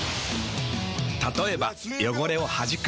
たとえば汚れをはじく。